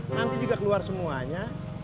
nanti juga keluar semuanya